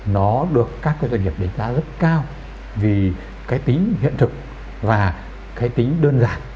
nó được các doanh nghiệp đánh giá rất cao vì cái tính hiện thực và cái tính đơn giản